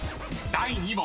第２問］